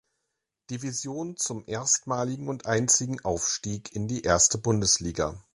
Division zum erstmaligen und einzigen Aufstieg in die erste Bundesliga.